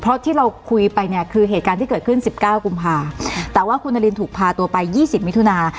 เพราะที่เราคุยไปเนี่ยคือเหตุการณ์ที่เกิดขึ้น๑๙กุมภาแต่ว่าคุณนารินถูกพาตัวไป๒๐มิถุนา